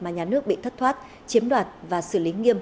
mà nhà nước bị thất thoát chiếm đoạt và xử lý nghiêm